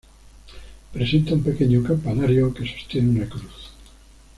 Presenta un pequeño campanario que sostiene una cruz.